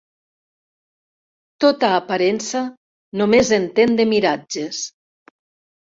Tota aparença només entén de miratges.